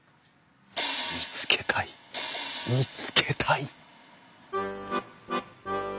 見つけたい見つけたい！